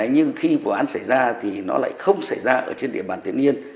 nhưng khi vụ án xảy ra thì nó lại không xảy ra ở trên địa bàn thiên nhiên